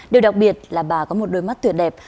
điều đặc biệt là bà có một đôi mắt tuyệt đẹp